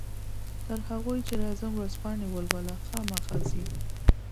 تر هغو چې راځم ورځپاڼې ولوله، خامخا ځې؟